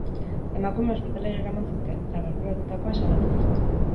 Emakumea ospitalera eraman zuten, eta gertatutakoa salatu zuen.